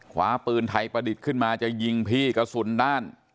คว้าปืนไทยประดิษฐ์ขึ้นมาจะยิงพี่กระสุนด้าน